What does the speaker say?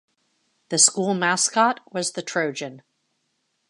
The school mascot was the Trojan.